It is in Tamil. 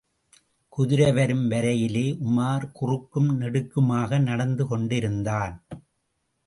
குதிரை வரும் வரையிலே உமார் குறுக்கும் நெடுக்குமாக நடந்து கொண்டிருந்தான்.